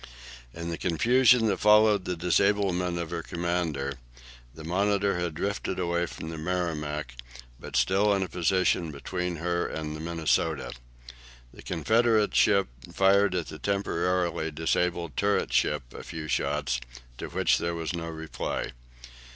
In the confusion that followed the disablement of her commander, the "Monitor" had drifted away from the "Merrimac," but still in a position between her and the "Minnesota." The Confederate ship fired at the temporarily disabled turret ship a few shots, to which there was no reply.